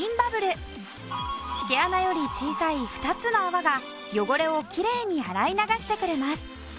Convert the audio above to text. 毛穴より小さい２つの泡が汚れをきれいに洗い流してくれます。